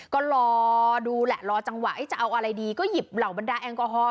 ก็รอดูแหละรอจังหวะจะเอาอะไรดีก็หยิบเหล่าบรรดาแอลกอฮอล